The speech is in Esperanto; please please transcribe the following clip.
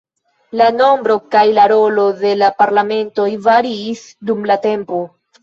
La nombro kaj la rolo de la parlamentanoj variis dum la tempo.